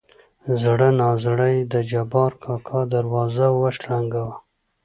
زړه نازړه يې د جبار کاکا دروازه وشرنګه وه.